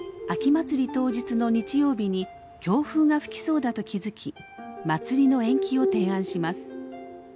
当日の日曜日に強風が吹きそうだと気付き祭りの延期を提案します。